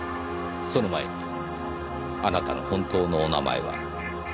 その前にあなたの本当のお名前は？